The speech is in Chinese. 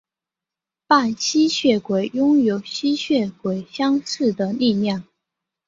半吸血鬼拥有与吸血鬼相似的力量。